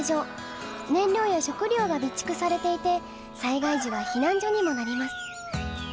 燃料や食料が備蓄されていて災害時は避難所にもなります。